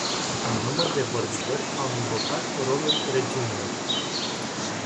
Un număr de vorbitori au invocat rolul regiunilor.